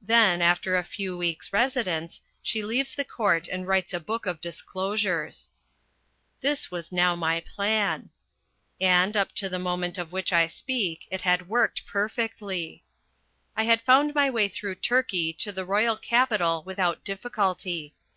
Then, after a few weeks' residence, she leaves the court and writes a book of disclosures. This was now my plan. And, up to the moment of which I speak, it had worked perfectly. I had found my way through Turkey to the royal capital without difficulty.